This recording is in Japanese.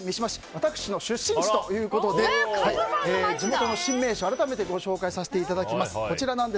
私の出身地ということで地元の新名所を改めてご紹介させていただきます。